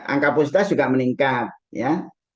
angka positifitas juga meningkat ya